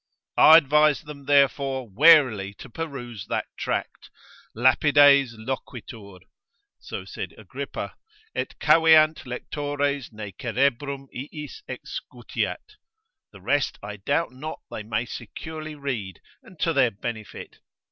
I advise them therefore warily to peruse that tract, Lapides loquitur (so said Agrippa de occ. Phil.) et caveant lectores ne cerebrum iis excutiat. The rest I doubt not they may securely read, and to their benefit.